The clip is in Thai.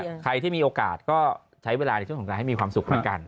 ใครที่มีโอกาสก็ใช้เวลาในช่วงของการให้มีความสุขเหมือนกัน